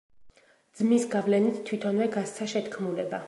ძმის გავლენით თვითონვე გასცა შეთქმულება.